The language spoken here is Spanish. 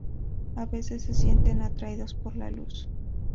A veces se sienten atraídos por la luz.